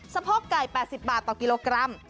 โพกไก่๘๐บาทต่อกิโลกรัม